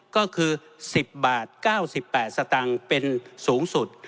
ก็คือ๑๐บาท๙๘สตางค์เป็นสูงสุด